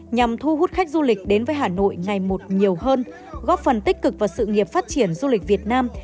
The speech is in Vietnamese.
nhằm thu hút khách du lịch đến với hà nội ngày một nhiều hơn góp phần tích cực vào sự nghiệp phát triển du lịch việt nam